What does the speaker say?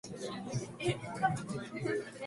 彼氏に振られたショックから立ち直る方法。